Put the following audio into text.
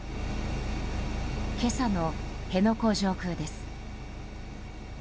今朝の辺野古上空です。